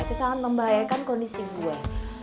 itu sangat membahayakan kondisi gue